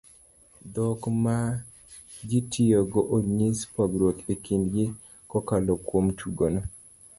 dhok magitiyogo onyis pogruok e kindgi kokalo kuom tugo no